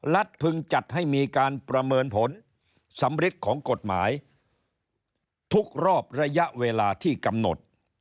พึงจัดให้มีการประเมินผลสำริดของกฎหมายทุกรอบระยะเวลาที่กำหนด